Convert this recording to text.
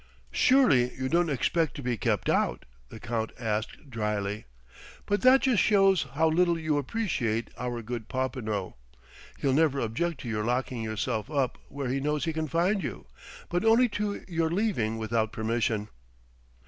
"Surely you don't expect to be kept out?" the Count asked dryly. "But that just shows how little you appreciate our good Popinot. He'll never object to your locking yourself up where he knows he can find you but only to your leaving without permission!"